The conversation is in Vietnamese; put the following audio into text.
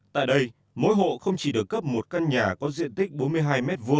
tại đây mỗi hộ không chỉ được cấp một căn nhà có diện tích bốn mươi hai m hai